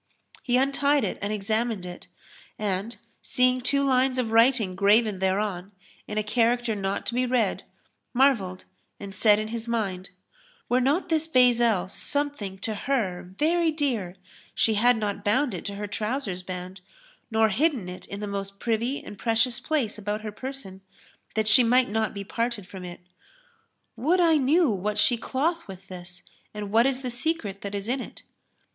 He untied it and examined it and, seeing two lines of writing graven thereon, in a character not to be read, marvelled and said in his mind, "Were not this bezel something to her very dear she had not bound it to her trousers band nor hidden it in the most privy and precious place about her person, that she might not be parted from it. Would I knew what she cloth with this and what is the secret that is in it."